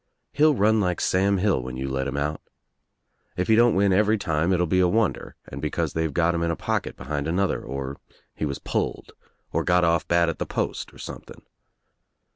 He'll run like Sam Hill when you let him out. If he don't win every time it'll be a wonder and because they've got him in a pocket behind another or he was pulled or got off bad at the post or something.